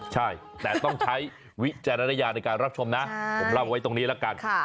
ใช่แต่ต้องใช้วิจารณญาณในการรับชมนะผมเล่าไว้ตรงนี้ละกัน